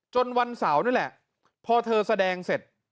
วันเสาร์นี่แหละพอเธอแสดงเสร็จ